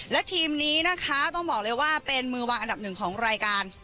และทีมนี้นะคะต้องบอกเลยว่าเป็นมือวางอันดับหนึ่งของรายการ